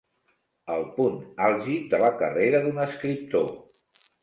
El punt àlgid de la carrera d'un escriptor.